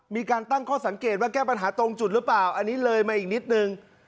มีการตั้งข้อสังเกตว่าแก้ปัญหาตรงจุดหรือเปล่าอันนี้เลยมาอีกนิดนึง